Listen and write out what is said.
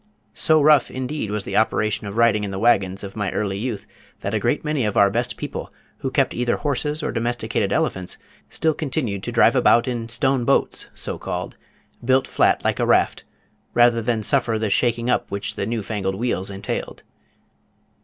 So rough indeed was the operation of riding in the wagons of my early youth that a great many of our best people who kept either horses or domesticated elephants, still continued to drive about in stone boats, so called, built flat like a raft, rather than suffer the shaking up which the new fangled wheels entailed.